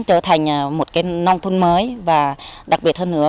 trở thành một nông thuần mới và đặc biệt hơn nữa